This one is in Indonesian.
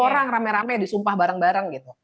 orang rame rame disumpah bareng bareng gitu